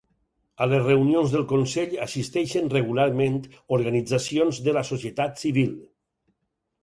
A les reunions del Consell assisteixen regularment organitzacions de la societat civil.